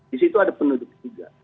disitu ada penduduk juga